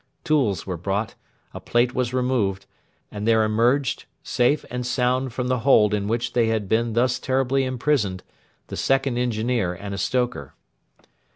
Tools were brought, a plate was removed, and there emerged, safe and sound from the hold in which they had been thus terribly imprisoned, the second engineer and a stoker.